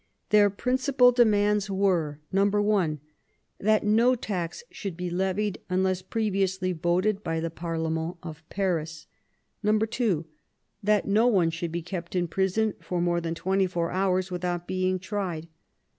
Their principal demands were — 62 MAZARIN chap. 1. That no tax should be levied unless previously voted by the parlement of Paris. 2. That no one should be kept in prison for more than twenty four hours without being tried.